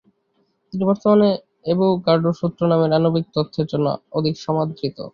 তিনি বর্তমানের অ্যাভোগাড্রোর সূত্র নামের আণবিক তত্ত্বের জন্য অধিক সমাদৃত।